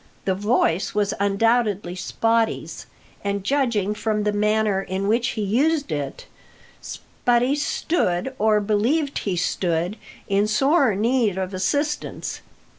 The voice was undoubtedly Spottie's, and, judging from the manner in which he used it, Sputtie stood or believed he stood in sore need of assistance.